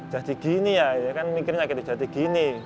jadi gini ya ya kan mikirnya gitu jadi gini